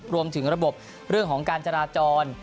รวมถึงระบบเรื่องของการจราจร